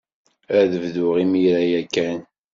Ad bduɣ imir-a ya kan.